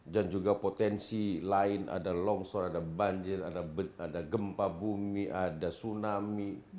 dan juga potensi lain ada longsor ada banjir ada gempa bumi ada tsunami